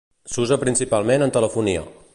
S'usa principalment en telefonia.